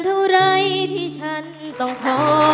นน์เถ่าไหร่ที่ฉันต้องขอ